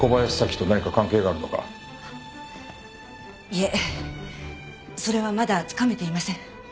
いえそれはまだつかめていません。